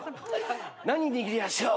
何握りやしょう？